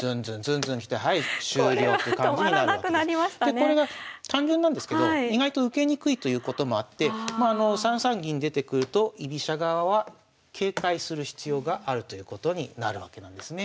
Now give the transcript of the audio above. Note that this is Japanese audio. これが単純なんですけど意外と受けにくいということもあって３三銀出てくると居飛車側は警戒する必要があるということになるわけなんですね。